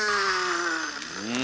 うん！